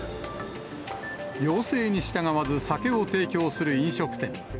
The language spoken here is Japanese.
要請に従わず酒を提供する飲食店。